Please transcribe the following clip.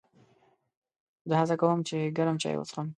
زه هڅه کوم چې ګرم چای وڅښم.